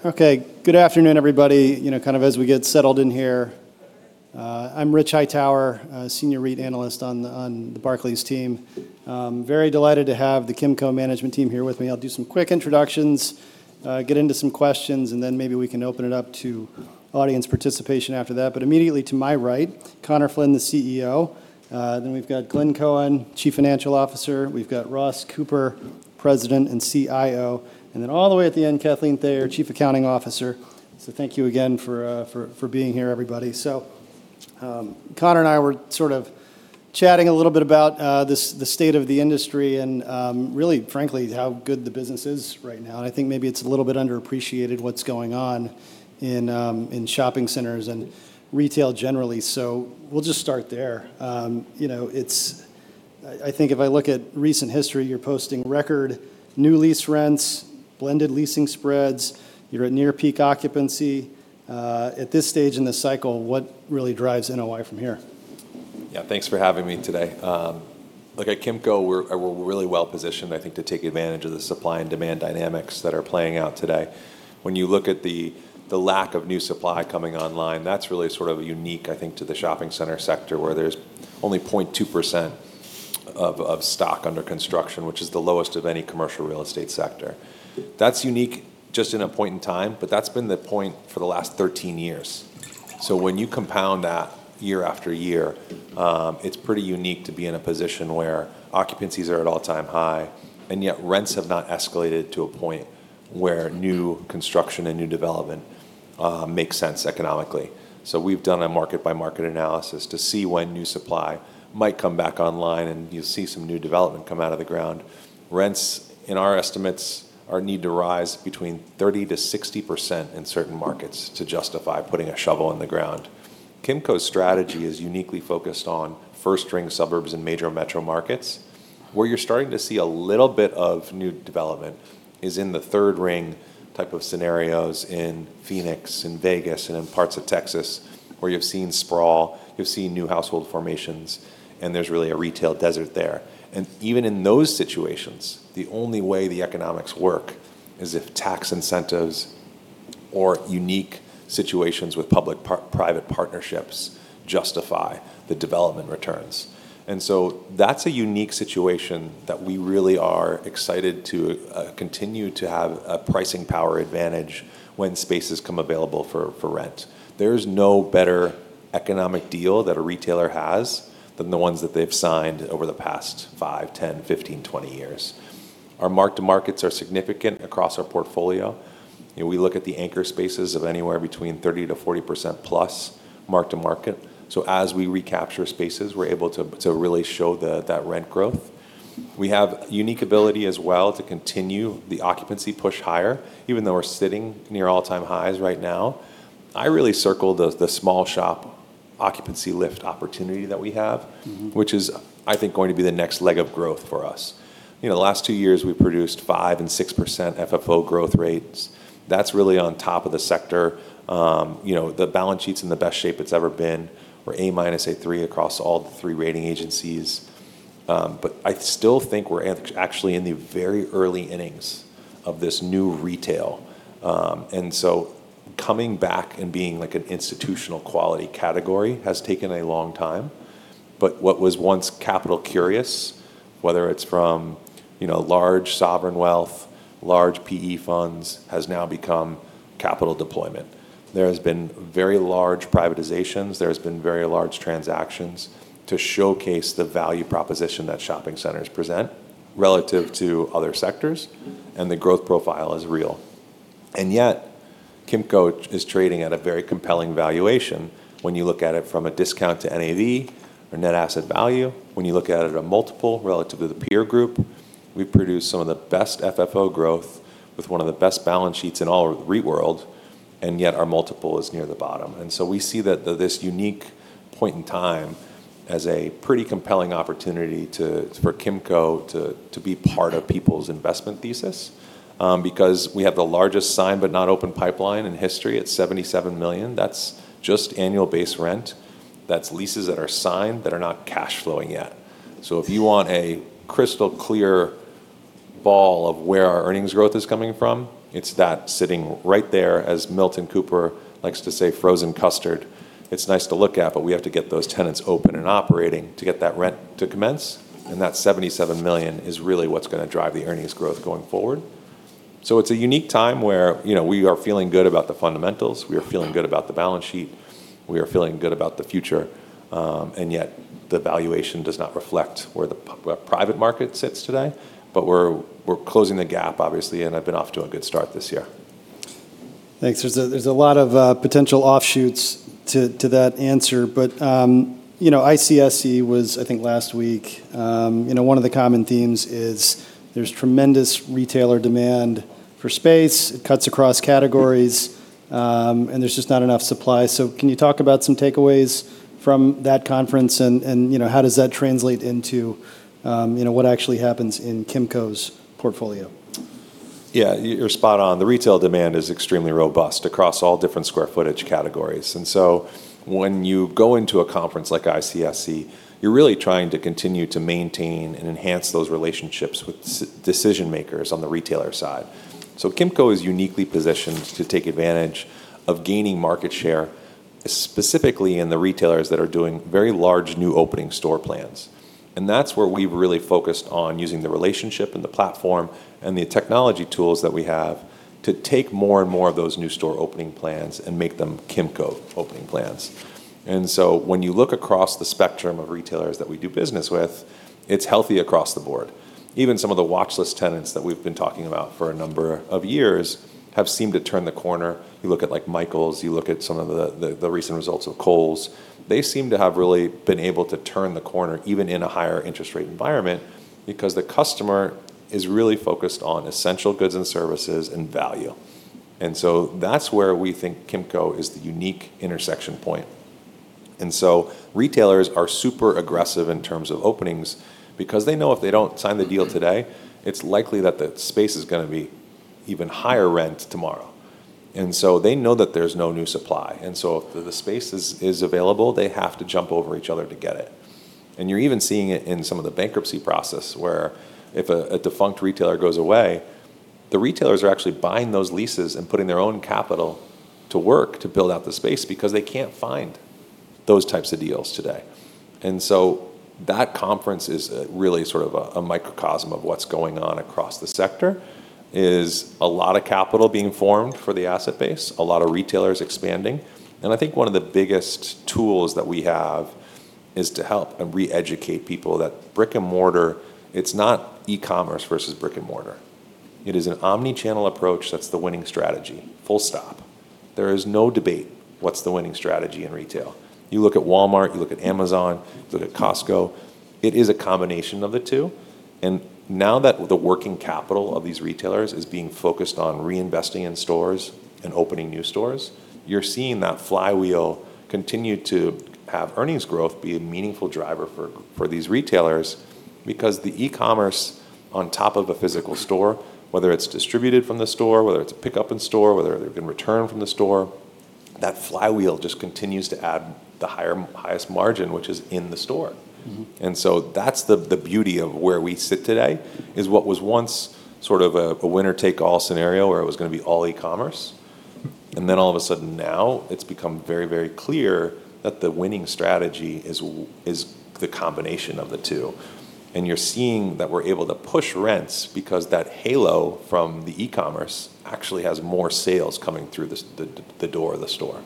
Good afternoon, everybody. As we get settled in here, I'm Rich Hightower, a senior REIT analyst on the Barclays team. I'm very delighted to have the Kimco management team here with me. I'll do some quick introductions, get into some questions, and then maybe we can open it up to audience participation after that. Immediately to my right, Conor Flynn, the CEO. We've got Glenn Cohen, Chief Financial Officer. We've got Ross Cooper, President and CIO, and then all the way at the end, Kathleen Thayer, Chief Accounting Officer. Thank you again for being here, everybody. Conor and I were sort of chatting a little bit about the state of the industry and really frankly how good the business is right now. I think maybe it's a little bit underappreciated what's going on in shopping centers and retail generally. We'll just start there. I think if I look at recent history, you're posting record new lease rents, blended leasing spreads. You're at near peak occupancy. At this stage in the cycle, what really drives NOI from here? Yeah, thanks for having me today. Look, at Kimco, we're really well-positioned, I think, to take advantage of the supply and demand dynamics that are playing out today. When you look at the lack of new supply coming online, that's really sort of unique, I think, to the shopping center sector, where there's only 0.2% of stock under construction, which is the lowest of any commercial real estate sector. That's unique just in a point in time, but that's been the point for the last 13 years. When you compound that year after year, it's pretty unique to be in a position where occupancies are at all-time high, and yet rents have not escalated to a point where new construction and new development makes sense economically. We've done a market-by-market analysis to see when new supply might come back online, and you'll see some new development come out of the ground. Rents, in our estimates, need to rise between 30%-60% in certain markets to justify putting a shovel in the ground. Kimco's strategy is uniquely focused on first-ring suburbs in major metro markets. Where you're starting to see a little bit of new development is in the third-ring type of scenarios in Phoenix and Vegas and in parts of Texas, where you've seen sprawl, you've seen new household formations, and there's really a retail desert there. Even in those situations, the only way the economics work is if tax incentives or unique situations with public-private partnerships justify the development returns. That's a unique situation that we really are excited to continue to have a pricing power advantage when spaces come available for rent. There's no better economic deal that a retailer has than the ones that they've signed over the past five, 10, 15, 20 years. Our mark-to-markets are significant across our portfolio, and we look at the anchor spaces of anywhere between 30%-40%+ mark-to-market. As we recapture spaces, we're able to really show that rent growth. We have unique ability as well to continue the occupancy push higher, even though we're sitting near all-time highs right now. I really circled the small shop occupancy lift opportunity that we have- which is, I think, going to be the next leg of growth for us. The last two years, we've produced 5% and 6% FFO growth rates. That's really on top of the sector. The balance sheet's in the best shape it's ever been. We're A-, A3 across all the three rating agencies. I still think we're actually in the very early innings of this new retail. Coming back and being an institutional-quality category has taken a long time. What was once capital curious, whether it's from large sovereign wealth, large PE funds, has now become capital deployment. There has been very large privatizations, there has been very large transactions to showcase the value proposition that shopping centers present relative to other sectors, and the growth profile is real. Yet, Kimco is trading at a very compelling valuation when you look at it from a discount to NAV or net asset value. When you look at it at a multiple relative to the peer group, we produce some of the best FFO growth with one of the best balance sheets in all of the REIT world, yet our multiple is near the bottom. We see this unique point in time as a pretty compelling opportunity for Kimco to be part of people's investment thesis because we have the largest signed but not open pipeline in history at $77 million. That's just annual base rent. That's leases that are signed that are not cash flowing yet. If you want a crystal-clear ball of where our earnings growth is coming from, it's that sitting right there, as Milton Cooper likes to say, frozen custard. It's nice to look at, but we have to get those tenants open and operating to get that rent to commence, and that $77 million is really what's going to drive the earnings growth going forward. It's a unique time where we are feeling good about the fundamentals. We are feeling good about the balance sheet. We are feeling good about the future, and yet the valuation does not reflect where the private market sits today. We're closing the gap, obviously, and have been off to a good start this year. Thanks. There's a lot of potential offshoots to that answer. ICSC was, I think, last week. One of the common themes is there's tremendous retailer demand for space. It cuts across categories, and there's just not enough supply. Can you talk about some takeaways from that conference and how does that translate into what actually happens in Kimco's portfolio? Yeah, you're spot on. The retail demand is extremely robust across all different square footage categories. When you go into a conference like ICSC, you're really trying to continue to maintain and enhance those relationships with decision-makers on the retailer side. Kimco is uniquely positioned to take advantage of gaining market share specifically in the retailers that are doing very large new opening store plans. That's where we've really focused on using the relationship and the platform and the technology tools that we have to take more and more of those new store opening plans and make them Kimco opening plans. When you look across the spectrum of retailers that we do business with, it's healthy across the board. Even some of the watchlist tenants that we've been talking about for a number of years have seemed to turn the corner. You look at Michaels, you look at some of the recent results of Kohl's. They seem to have really been able to turn the corner, even in a higher interest rate environment, because the customer is really focused on essential goods and services and value. That's where we think Kimco is the unique intersection point. Retailers are super aggressive in terms of openings because they know if they don't sign the deal today, it's likely that the space is going to be even higher rent tomorrow. They know that there's no new supply. If the space is available, they have to jump over each other to get it. You're even seeing it in some of the bankruptcy process, where if a defunct retailer goes away, the retailers are actually buying those leases and putting their own capital to work to build out the space because they can't find those types of deals today. That conference is really sort of a microcosm of what's going on across the sector, is a lot of capital being formed for the asset base, a lot of retailers expanding. I think one of the biggest tools that we have is to help re-educate people that it's not e-commerce versus brick-and-mortar. It is an omni-channel approach that's the winning strategy, full stop. There is no debate what's the winning strategy in retail. You look at Walmart, you look at Amazon, you look at Costco. It is a combination of the two. Now that the working capital of these retailers is being focused on reinvesting in stores and opening new stores, you're seeing that flywheel continue to have earnings growth be a meaningful driver for these retailers because the e-commerce on top of a physical store, whether it's distributed from the store, whether it's a pick-up in store, whether they're doing return from the store, that flywheel just continues to add the highest margin, which is in the store. That's the beauty of where we sit today, is what was once sort of a winner-take-all scenario where it was going to be all e-commerce, all of a sudden now it's become very clear that the winning strategy is the combination of the two. You're seeing that we're able to push rents because that halo from the e-commerce actually has more sales coming through the door of the store.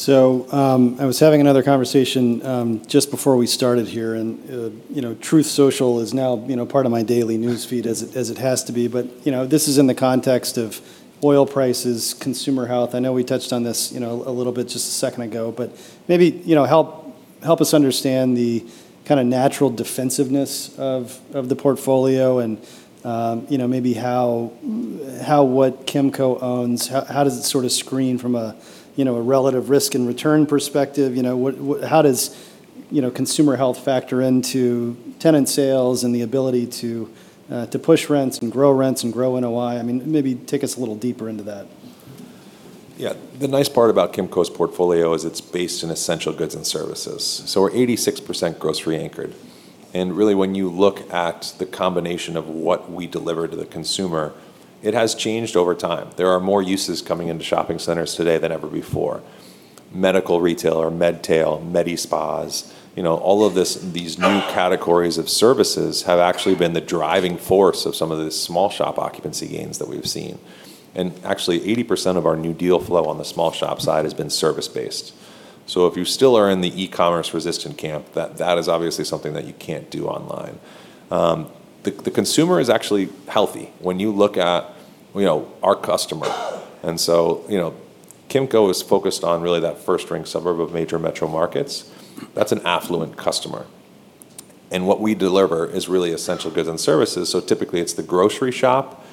I was having another conversation just before we started here, and Truth Social is now part of my daily news feed, as it has to be. This is in the context of oil prices, consumer health. I know we touched on this a little bit just a second ago, but maybe help us understand the kind of natural defensiveness of the portfolio and maybe what Kimco owns. How does it sort of screen from a relative risk and return perspective? How does consumer health factor into tenant sales and the ability to push rents and grow rents and grow NOI? Maybe take us a little deeper into that. Yeah. The nice part about Kimco's portfolio is it's based in essential goods and services. We're 86% grocery anchored. Really when you look at the combination of what we deliver to the consumer, it has changed over time. There are more uses coming into shopping centers today than ever before. Medical retail or medtail, medi spas, all of these new categories of services have actually been the driving force of some of the small shop occupancy gains that we've seen. Actually, 80% of our new deal flow on the small shop side has been service-based. If you still are in the e-commerce resistant camp, that is obviously something that you can't do online. The consumer is actually healthy when you look at our customer. Kimco is focused on really that first-ring suburb of major metro markets. That's an affluent customer. What we deliver is really essential goods and services. Typically it's the grocery shop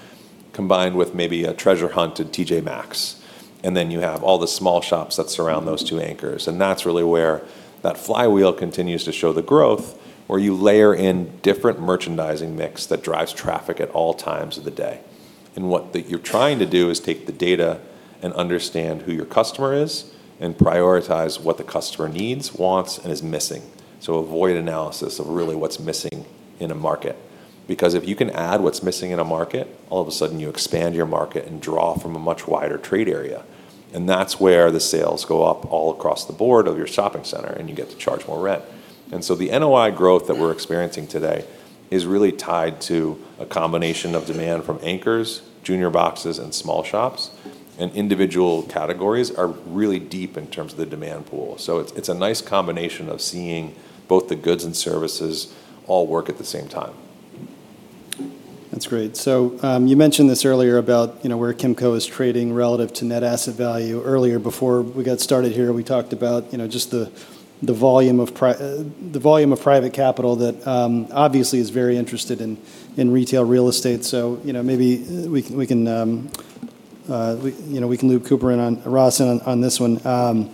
combined with maybe a treasure hunt at TJ Maxx. Then you have all the small shops that surround those two anchors, and that's really where that flywheel continues to show the growth, where you layer in different merchandising mix that drives traffic at all times of the day. What you're trying to do is take the data and understand who your customer is and prioritize what the customer needs, wants, and is missing. Void analysis of really what's missing in a market. Because if you can add what's missing in a market, all of a sudden you expand your market and draw from a much wider trade area. That's where the sales go up all across the board of your shopping center, and you get to charge more rent. The NOI growth that we're experiencing today is really tied to a combination of demand from anchors, junior boxes, and small shops. Individual categories are really deep in terms of the demand pool. It's a nice combination of seeing both the goods and services all work at the same time. That's great. You mentioned this earlier about where Kimco is trading relative to net asset value. Earlier before we got started here, we talked about just the volume of private capital that obviously is very interested in retail real estate. Maybe we can loop Ross in on this one.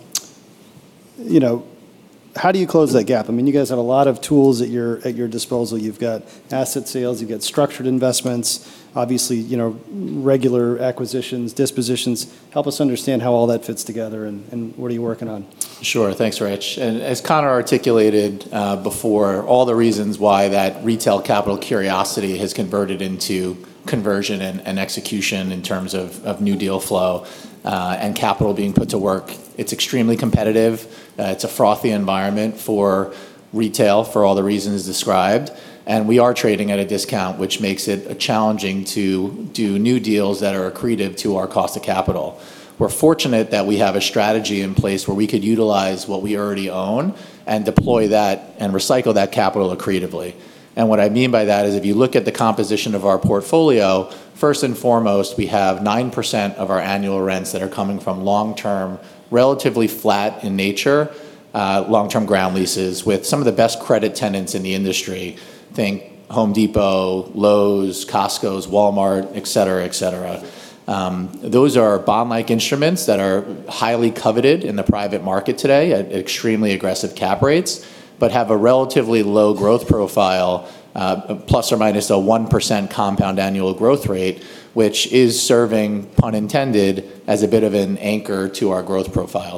How do you close that gap? You guys have a lot of tools at your disposal. You've got asset sales, you've got structured investments, obviously, regular acquisitions, dispositions. Help us understand how all that fits together and what are you working on? Thanks, Rich. As Conor articulated before, all the reasons why that retail capital curiosity has converted into conversion and execution in terms of new deal flow, and capital being put to work. It's extremely competitive. It's a frothy environment for retail for all the reasons described. We are trading at a discount, which makes it challenging to do new deals that are accretive to our cost of capital. We're fortunate that we have a strategy in place where we could utilize what we already own and deploy that and recycle that capital accretively. What I mean by that is if you look at the composition of our portfolio, first and foremost, we have 9% of our annual rents that are coming from long-term, relatively flat in nature, long-term ground leases with some of the best credit tenants in the industry. Think Home Depot, Lowe's, Costcos, Walmart, et cetera. Those are bond-like instruments that are highly coveted in the private market today at extremely aggressive cap rates, but have a relatively low growth profile, ± a 1% compound annual growth rate, which is serving, pun intended, as a bit of an anchor to our growth profile.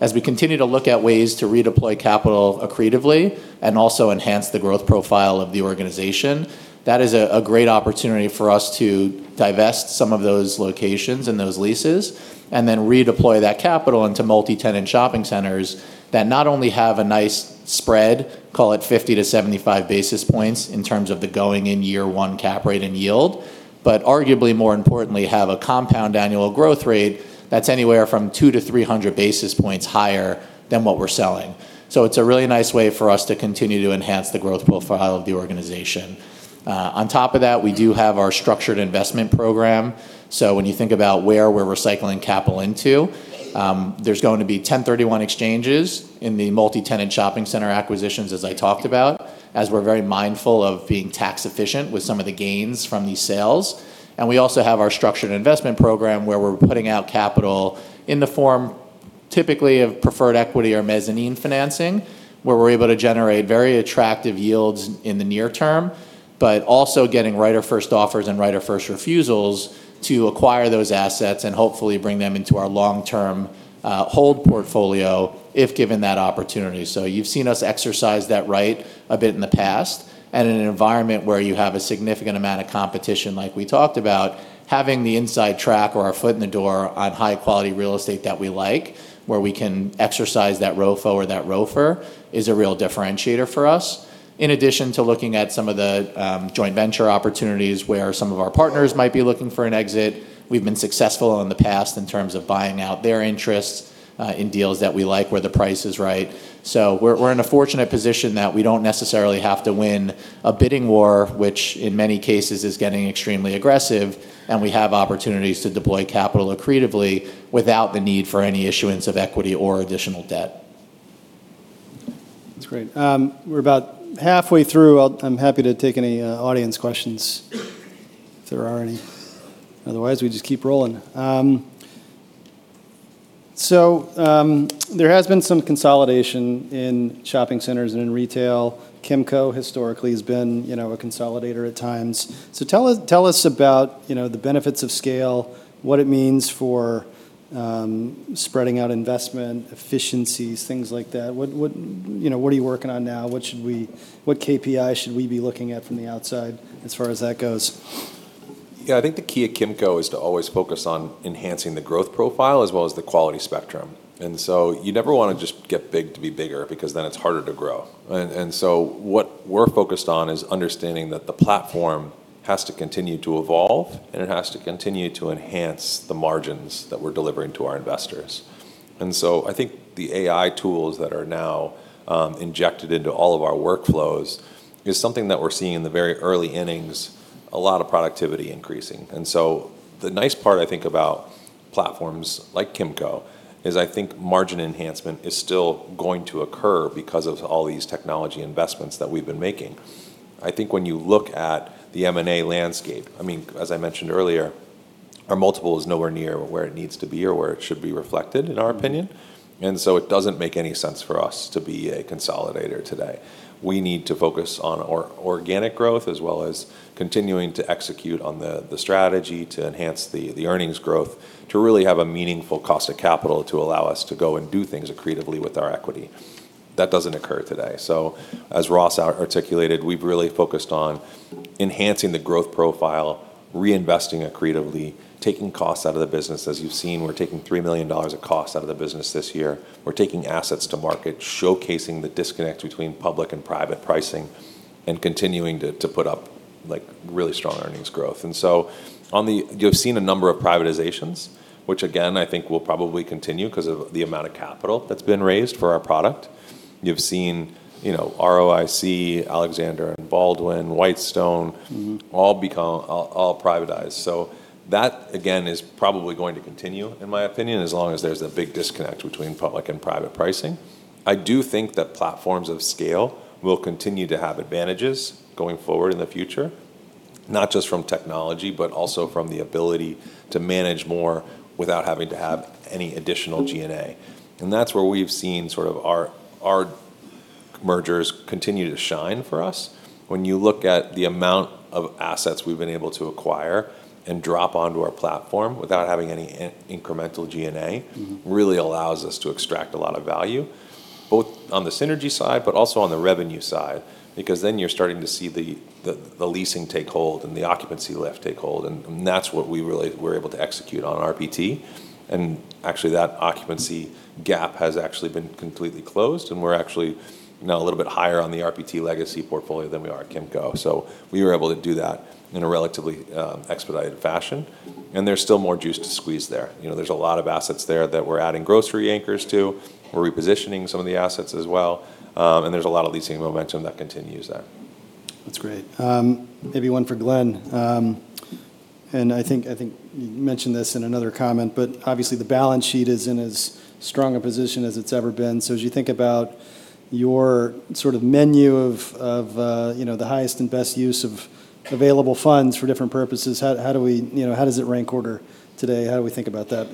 As we continue to look at ways to redeploy capital accretively and also enhance the growth profile of the organization, that is a great opportunity for us to divest some of those locations and those leases, and then redeploy that capital into multi-tenant shopping centers that not only have a nice spread, call it 50-75 basis points in terms of the going in year one cap rate and yield, but arguably more importantly, have a compound annual growth rate that's anywhere from 2-300 basis points higher than what we're selling. It's a really nice way for us to continue to enhance the growth profile of the organization. On top of that, we do have our structured investment program, so when you think about where we're recycling capital into, there's going to be 1031 exchanges in the multi-tenant shopping center acquisitions as I talked about, as we're very mindful of being tax efficient with some of the gains from these sales. We also have our structured investment program where we're putting out capital in the form typically of preferred equity or mezzanine financing, where we're able to generate very attractive yields in the near term, but also getting right of first offers and right of first refusals to acquire those assets and hopefully bring them into our long-term hold portfolio if given that opportunity. You've seen us exercise that right a bit in the past. In an environment where you have a significant amount of competition like we talked about, having the inside track or our foot in the door on high-quality real estate that we like, where we can exercise that ROFO or that ROFR is a real differentiator for us. In addition to looking at some of the joint venture opportunities where some of our partners might be looking for an exit. We've been successful in the past in terms of buying out their interests in deals that we like where the price is right. We're in a fortunate position that we don't necessarily have to win a bidding war, which in many cases is getting extremely aggressive, and we have opportunities to deploy capital accretively without the need for any issuance of equity or additional debt. That's great. We're about halfway through. I'm happy to take any audience questions if there are any. Otherwise, we just keep rolling. There has been some consolidation in shopping centers and in retail. Kimco historically has been a consolidator at times. Tell us about the benefits of scale, what it means for spreading out investment efficiencies, things like that. What are you working on now? What KPI should we be looking at from the outside as far as that goes? Yeah, I think the key at Kimco is to always focus on enhancing the growth profile as well as the quality spectrum. You never want to just get big to be bigger because then it's harder to grow. What we're focused on is understanding that the platform has to continue to evolve, and it has to continue to enhance the margins that we're delivering to our investors. I think the AI tools that are now injected into all of our workflows is something that we're seeing in the very early innings, a lot of productivity increasing. The nice part I think about platforms like Kimco is I think margin enhancement is still going to occur because of all these technology investments that we've been making. I think when you look at the M&A landscape, as I mentioned earlier, our multiple is nowhere near where it needs to be or where it should be reflected in our opinion. It doesn't make any sense for us to be a consolidator today. We need to focus on organic growth as well as continuing to execute on the strategy to enhance the earnings growth, to really have a meaningful cost of capital to allow us to go and do things accretively with our equity. That doesn't occur today. As Ross articulated, we've really focused on enhancing the growth profile, reinvesting accretively, taking costs out of the business. As you've seen, we're taking $3 million of costs out of the business this year. We're taking assets to market, showcasing the disconnect between public and private pricing, and continuing to put up really strong earnings growth. You've seen a number of privatizations, which again, I think will probably continue because of the amount of capital that's been raised for our product. You've seen ROIC, Alexander & Baldwin, Whitestone all privatized. That again is probably going to continue, in my opinion, as long as there's a big disconnect between public and private pricing. I do think that platforms of scale will continue to have advantages going forward in the future. Not just from technology, but also from the ability to manage more without having to have any additional G&A. That's where we've seen our mergers continue to shine for us. When you look at the amount of assets we've been able to acquire and drop onto our platform without having any incremental G&A. really allows us to extract a lot of value, both on the synergy side, but also on the revenue side. You're starting to see the leasing take hold and the occupancy lift take hold, and that's what we really were able to execute on RPT. That occupancy gap has actually been completely closed, and we're actually now a little bit higher on the RPT legacy portfolio than we are at Kimco. We were able to do that in a relatively expedited fashion. There's still more juice to squeeze there. There's a lot of assets there that we're adding grocery anchors to. We're repositioning some of the assets as well. There's a lot of leasing momentum that continues there. That's great. Maybe one for Glenn. I think you mentioned this in another comment, but obviously the balance sheet is in as strong a position as it's ever been. As you think about your sort of menu of the highest and best use of available funds for different purposes, how does it rank order today? How do we think about that?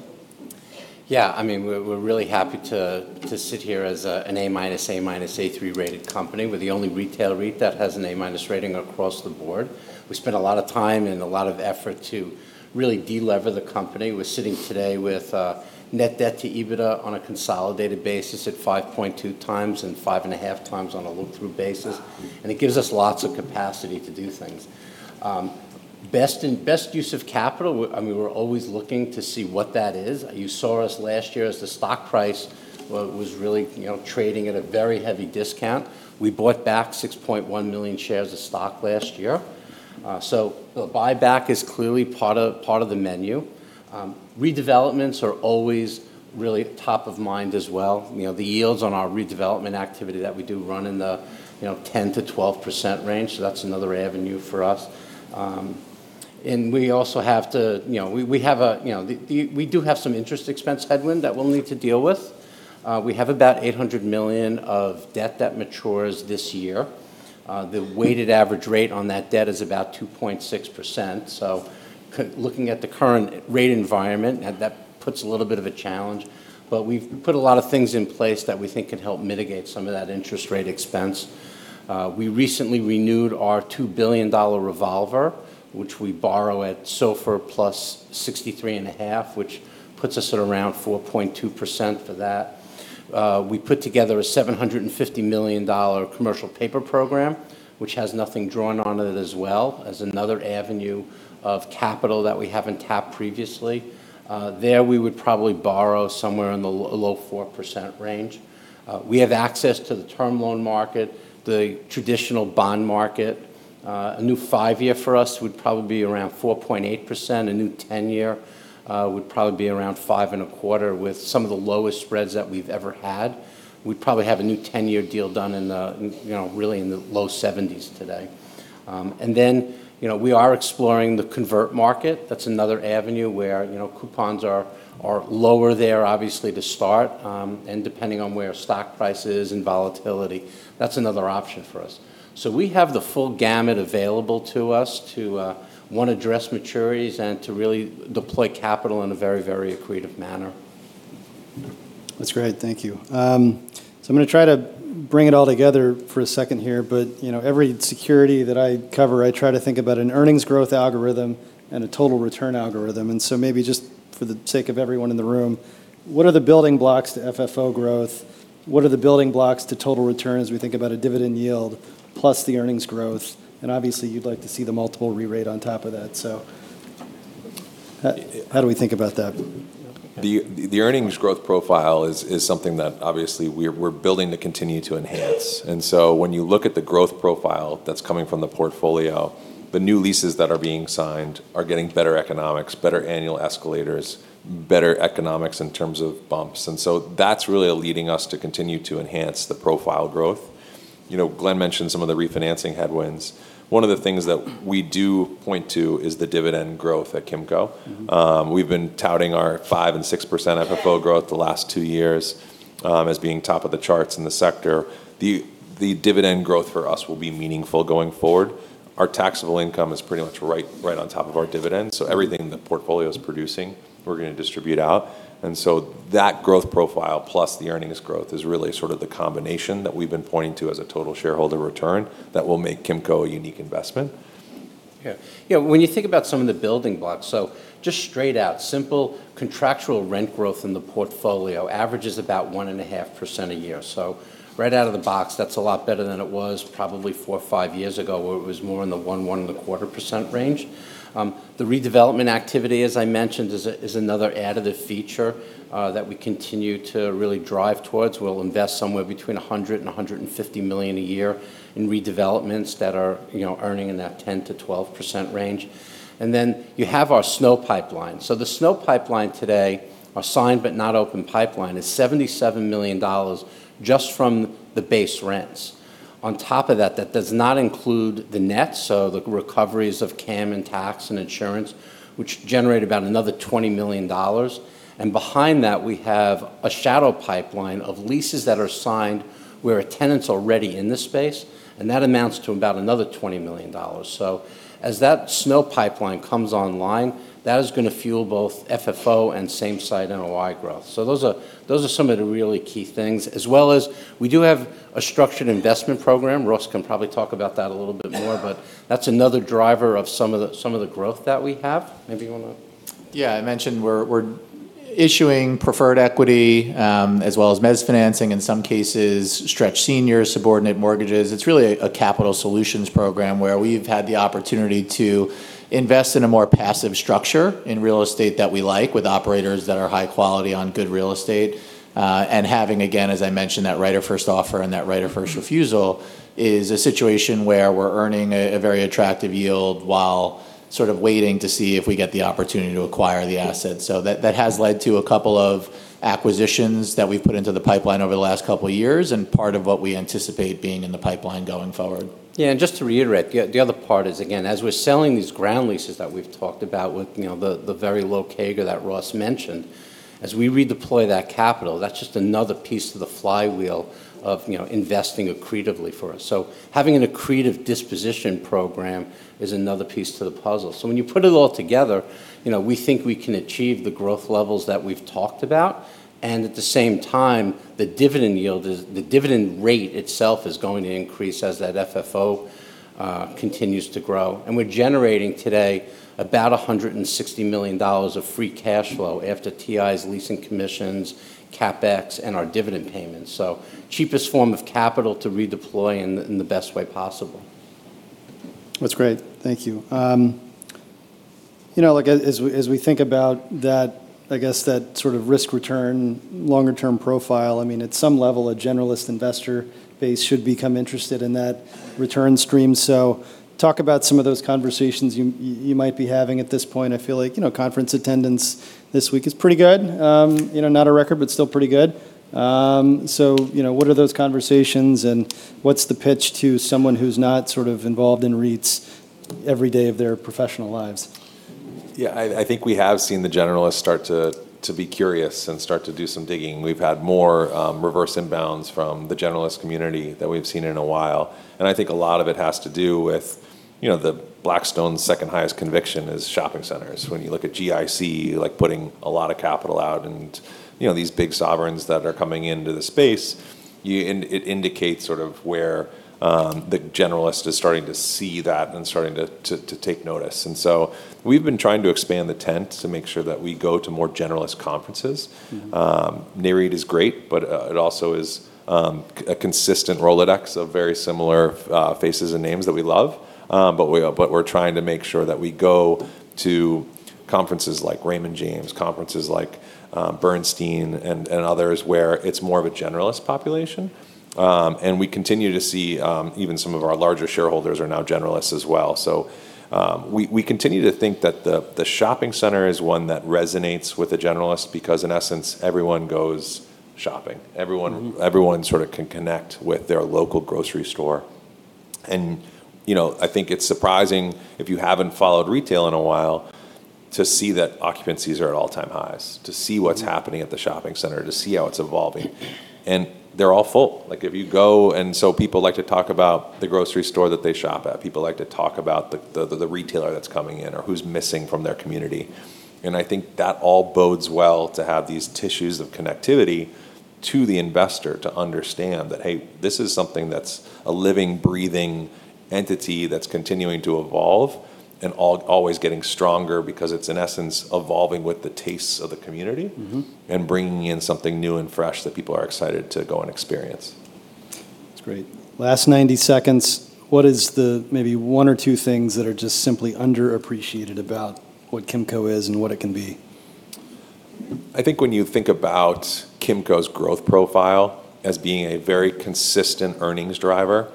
Yeah. We're really happy to sit here as an A-, A-, A3-rated company. We're the only retail REIT that has an A-minus rating across the board. We spent a lot of time and a lot of effort to really de-lever the company. We're sitting today with net debt to EBITDA on a consolidated basis at 5.2x and 5.5x on a look-through basis. It gives us lots of capacity to do things. Best use of capital, we're always looking to see what that is. You saw us last year as the stock price was really trading at a very heavy discount. We bought back 6.1 million shares of stock last year. The buyback is clearly part of the menu. Redevelopments are always really top of mind as well. The yields on our redevelopment activity that we do run in the 10%-12% range, that's another avenue for us. We do have some interest expense headwind that we'll need to deal with. We have about $800 million of debt that matures this year. The weighted average rate on that debt is about 2.6%. Looking at the current rate environment, that puts a little bit of a challenge, but we've put a lot of things in place that we think can help mitigate some of that interest rate expense. We recently renewed our $2 billion revolver, which we borrow at SOFR plus 63.5, which puts us at around 4.2% for that. We put together a $750 million commercial paper program, which has nothing drawn on it as well, as another avenue of capital that we haven't tapped previously. There, we would probably borrow somewhere in the low 4% range. We have access to the term loan market, the traditional bond market. A new five year for us would probably be around 4.8%. A new 10-year would probably be around 5.25% with some of the lowest spreads that we've ever had. We'd probably have a new 10-year deal done really in the low 70s today. Then, we are exploring the convert market. That's another avenue where coupons are lower there, obviously, to start. Depending on where stock price is and volatility, that's another option for us. We have the full gamut available to us to, one, address maturities, and to really deploy capital in a very, very accretive manner. That's great. Thank you. I'm going to try to bring it all together for a second here. Every security that I cover, I try to think about an earnings growth algorithm and a total return algorithm. Maybe just for the sake of everyone in the room, what are the building blocks to FFO growth? What are the building blocks to total return as we think about a dividend yield plus the earnings growth? Obviously, you'd like to see the multiple rerate on top of that. How do we think about that? The earnings growth profile is something that obviously we're building to continue to enhance. When you look at the growth profile that's coming from the portfolio, the new leases that are being signed are getting better economics, better annual escalators, better economics in terms of bumps. That's really leading us to continue to enhance the profile growth. Glenn mentioned some of the refinancing headwinds. One of the things that we do point to is the dividend growth at Kimco. We've been touting our 5% and 6% FFO growth the last two years as being top of the charts in the sector. The dividend growth for us will be meaningful going forward. Our taxable income is pretty much right on top of our dividends. Everything the portfolio's producing, we're going to distribute out. That growth profile plus the earnings growth is really sort of the combination that we've been pointing to as a total shareholder return that will make Kimco a unique investment. When you think about some of the building blocks, so just straight out, simple contractual rent growth in the portfolio averages about 1.5% a year. Right out of the box, that's a lot better than it was probably four or five years ago, where it was more in the 1%-1.25% range. The redevelopment activity, as I mentioned, is another additive feature that we continue to really drive towards. We'll invest somewhere between $100 million-$150 million a year in redevelopments that are earning in that 10%-12% range. You have our SNO pipeline. The SNO pipeline today, our signed but not open pipeline, is $77 million just from the base rents. On top of that does not include the net, so the recoveries of CAM and tax and insurance, which generate about another $20 million. Behind that, we have a shadow pipeline of leases that are signed where a tenant's already in the space, and that amounts to about another $20 million. As that SNO pipeline comes online, that is going to fuel both FFO and same-site NOI growth. Those are some of the really key things. As well as we do have a structured investment program. Ross can probably talk about that a little bit more, but that's another driver of some of the growth that we have. Maybe you want to- Yeah, I mentioned we're. Issuing preferred equity, as well as mezz financing, in some cases, stretch senior subordinate mortgages. It's really a capital solutions program where we've had the opportunity to invest in a more passive structure in real estate that we like with operators that are high quality on good real estate. Having, again, as I mentioned, that right of first offer and that right of first refusal is a situation where we're earning a very attractive yield while sort of waiting to see if we get the opportunity to acquire the asset. That has led to a couple of acquisitions that we've put into the pipeline over the last couple of years, and part of what we anticipate being in the pipeline going forward. Just to reiterate, the other part is, again, as we're selling these ground leases that we've talked about with the very low CAGR that Ross mentioned, as we redeploy that capital, that's just another piece of the flywheel of investing accretively for us. Having an accretive disposition program is another piece to the puzzle. When you put it all together, we think we can achieve the growth levels that we've talked about, and at the same time, the dividend rate itself is going to increase as that FFO continues to grow. We're generating today about $160 million of free cash flow after TIs leasing commissions, CapEx, and our dividend payments. Cheapest form of capital to redeploy in the best way possible. That's great. Thank you. As we think about that sort of risk return longer term profile, at some level, a generalist investor base should become interested in that return stream. Talk about some of those conversations you might be having at this point. I feel like conference attendance this week is pretty good. Not a record, but still pretty good. What are those conversations, and what's the pitch to someone who's not sort of involved in REITs every day of their professional lives? I think we have seen the generalists start to be curious and start to do some digging. We've had more reverse inbounds from the generalist community than we've seen in a while. I think a lot of it has to do with the Blackstone's second highest conviction is shopping centers. When you look at GIC, like putting a lot of capital out and these big sovereigns that are coming into the space, it indicates sort of where the generalist is starting to see that and starting to take notice. We've been trying to expand the tent to make sure that we go to more generalist conferences. Nareit is great, but it also is a consistent Rolodex of very similar faces and names that we love. We're trying to make sure that we go to conferences like Raymond James, conferences like Bernstein, and others where it's more of a generalist population. We continue to see even some of our larger shareholders are now generalists as well. We continue to think that the shopping center is one that resonates with the generalists because in essence, everyone goes shopping. Everyone sort of can connect with their local grocery store. I think it's surprising if you haven't followed retail in a while to see that occupancies are at all-time highs, to see what's happening at the shopping center, to see how it's evolving. They're all full. People like to talk about the grocery store that they shop at. People like to talk about the retailer that's coming in or who's missing from their community. I think that all bodes well to have these tissues of connectivity to the investor to understand that, hey, this is something that's a living, breathing entity that's continuing to evolve and always getting stronger because it's, in essence, evolving with the tastes of the community and bringing in something new and fresh that people are excited to go and experience. That's great. Last 90 seconds. What is maybe one or two things that are just simply underappreciated about what Kimco is and what it can be? I think when you think about Kimco's growth profile as being a very consistent earnings driver,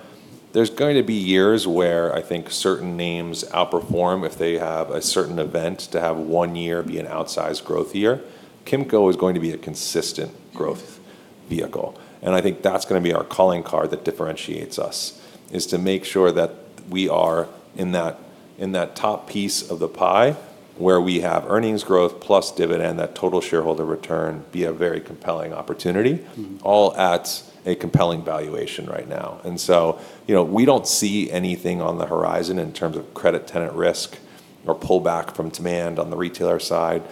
there's going to be years where I think certain names outperform if they have a certain event to have one year be an outsized growth year. Kimco is going to be a consistent growth vehicle, I think that's going to be our calling card that differentiates us, is to make sure that we are in that top piece of the pie where we have earnings growth plus dividend, that total shareholder return be a very compelling opportunity, all at a compelling valuation right now. We don't see anything on the horizon in terms of credit tenant risk or pullback from demand on the retailer side.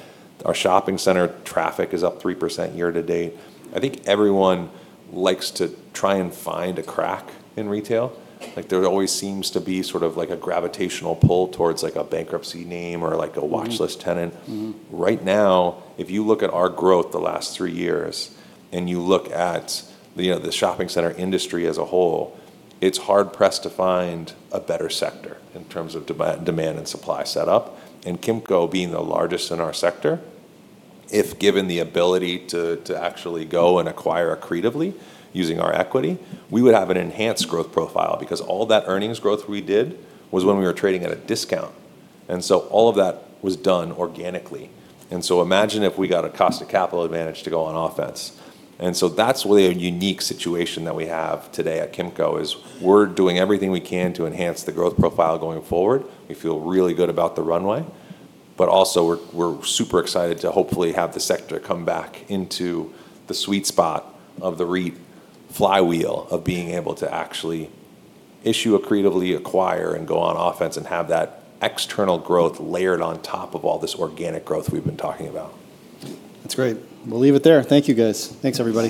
Our shopping center traffic is up 3% year to date. I think everyone likes to try and find a crack in retail. There always seems to be sort of like a gravitational pull towards a bankruptcy name or a watchlist tenant. Right now, if you look at our growth the last three years and you look at the shopping center industry as a whole, it's hard-pressed to find a better sector in terms of demand and supply setup. Kimco being the largest in our sector, if given the ability to actually go and acquire accretively using our equity, we would have an enhanced growth profile because all that earnings growth we did was when we were trading at a discount. All of that was done organically. Imagine if we got a cost of capital advantage to go on offense. That's really a unique situation that we have today at Kimco, is we're doing everything we can to enhance the growth profile going forward. We feel really good about the runway, but also, we're super excited to hopefully have the sector come back into the sweet spot of the REIT flywheel of being able to actually issue accretively, acquire, and go on offense and have that external growth layered on top of all this organic growth we've been talking about. That's great. We'll leave it there. Thank you, guys. Thanks, everybody.